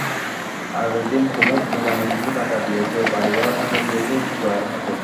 আগের দিন কুমুদ দোকানে কিছু টাকা দিয়াছে, বাড়িভাড়ার টাকা দিয়াছে জয়ার হাতে।